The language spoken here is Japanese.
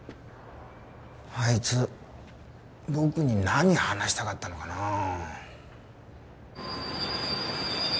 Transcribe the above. あいつ僕に何話したかったのかな。